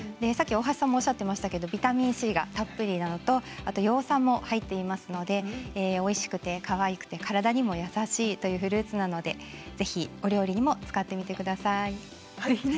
さっき大橋さんもおっしゃっていましたけれどもビタミンＣがたっぷりなのと葉酸も入っていますのでおいしくてかわいくて体にも優しいフルーツなのでぜひお料理にもはい。